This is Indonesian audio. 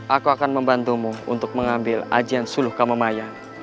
aku akan membantumu untuk mengambil ajian suluh kamemayan